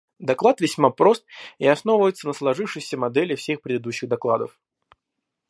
Доклад весьма прост и основывается на сложившейся модели всех предыдущих докладов.